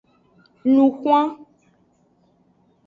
Lun hwan.